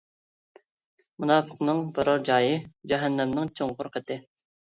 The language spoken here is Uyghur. مۇناپىقنىڭ بارار جايى جەھەننەمنىڭ چوڭقۇر قېتى.